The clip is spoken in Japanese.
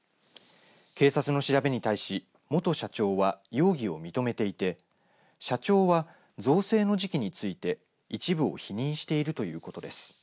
警察の調べに対し、元社長は容疑を認めていて社長は、造成の時期について一部を否認しているということです。